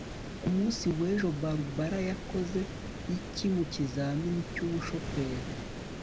ku munsi w'ejo barbara yakoze iki mu kizamini cy'umushoferi